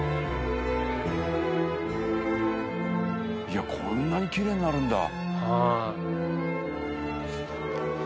いやこんなに奇麗になるんだ。